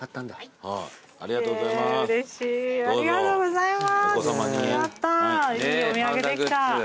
いいお土産できた。